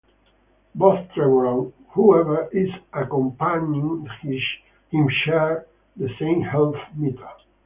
Both Trevor and whoever is accompanying him share the same health meter.